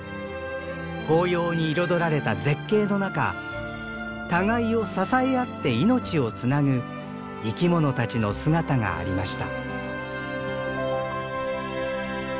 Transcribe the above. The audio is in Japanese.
紅葉に彩られた絶景の中互いを支え合って命をつなぐ生き物たちの姿がありました。